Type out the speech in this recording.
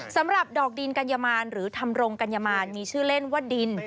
สำหรับดอกดินกัญญมารหรือทำรงกัญญมานมีชื่อเล่นว่าดิน